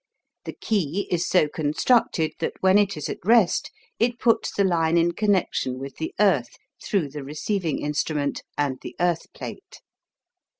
The key is so constructed that when it is at rest it puts the line in connection with the earth through the RECEIVING INSTRUMENT and the earth plate.